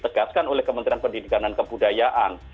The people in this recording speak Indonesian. tegaskan oleh kementerian pendidikan dan kebudayaan